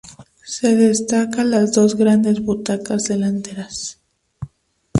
Se destaca las dos grandes butacas delanteras.